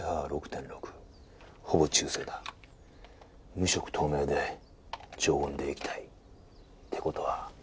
無色透明で常温で液体って事は。